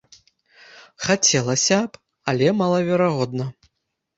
Хацелася б, але малаверагодна.